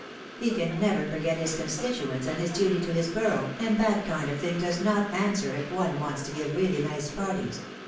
He can never forget his constituents and his duty to his borough, and that kind of thing does not answer if one wants to give really nice parties.